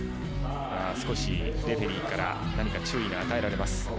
何か、レフェリーから注意が与えられます。